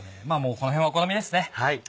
この辺はお好みですね。